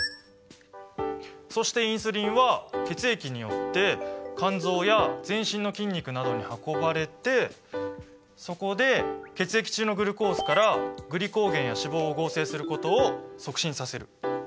そしてインスリンは血液によって肝臓や全身の筋肉などに運ばれてそこで血液中のグルコースからグリコーゲンや脂肪を合成することを促進させる。